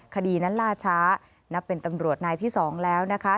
คดีนั้นล่าช้านับเป็นตำรวจนายที่๒แล้วนะคะ